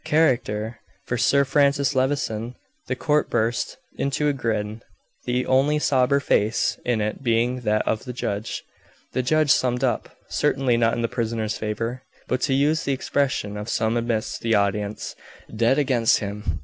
Character! for Sir Francis Levison! The court burst into a grin; the only sober face in it being that of the judge. The judge summed up. Certainly not in the prisoner's favor; but, to use the expression of some amidst the audience, dead against him.